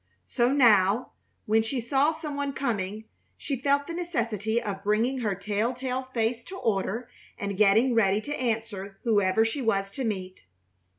So now, when she saw some one coming, she felt the necessity of bringing her telltale face to order and getting ready to answer whoever she was to meet.